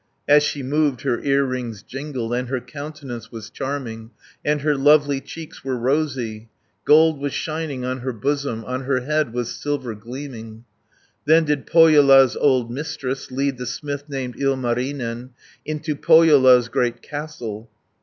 As she moved, her earrings jingled, And her countenance was charming, And her lovely cheeks were rosy. Gold was shining on her bosom, On her head was silver gleaming. 250 Then did Pohjola's old Mistress, Lead the smith named Ilmarinen, Into Pohjola's great castle.